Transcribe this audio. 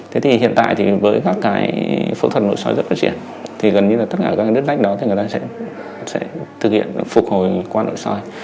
thế thì hiện tại thì với các cái phẫu thuật nội soi rất phát triển thì gần như là tất cả các cái nứt rách đó thì người ta sẽ thực hiện phục hồi qua nội soi